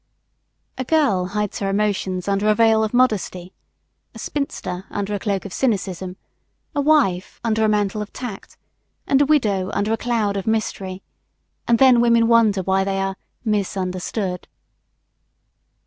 A girl hides her emotions under a veil of modesty, a spinster under a cloak of cynicism, a wife under a mantle of tact, and a widow under a cloud of mystery and then women wonder why they are "misunderstood."